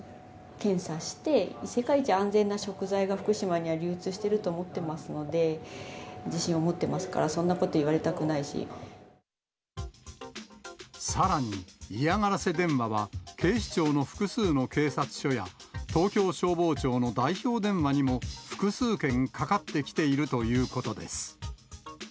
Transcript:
検査して、世界一安全な食材が福島には流通していると思っていますので、自信を持ってますから、さらに、嫌がらせ電話は、警視庁の複数の警察署や東京消防庁の代表電話にも複数件、かかってきているということです。